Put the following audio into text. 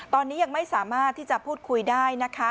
ตอนนี้ยังไม่สามารถที่จะพูดคุยได้นะคะ